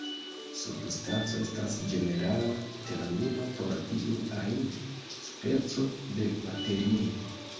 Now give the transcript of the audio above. Substanco estas ĝenerala termino por iu ajn speco de materio.